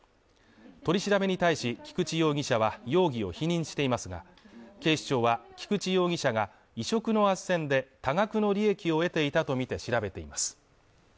取り調べに対し菊池容疑者は容疑を否認していますが、警視庁は菊池容疑者が、移植の斡旋で多額の利益を得ていたとみて調べています。